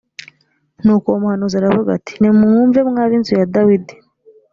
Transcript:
nuko uwo muhanuzi aravuga ati nimwumve mwa b inzu ya dawidi